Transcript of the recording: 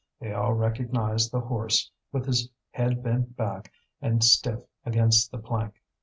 They all recognized the horse, with his head bent back and stiff against the plank.